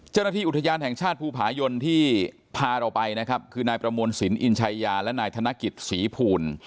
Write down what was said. เจ้าหน้าที่อุทยานแห่งชาติภูผายนที่พาเราไปนะครับคือนายประมวลสินอินชายาและนายธนกิจศรีภูล